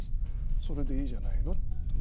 それでいいじゃないのっていう。